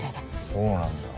そうなんだ。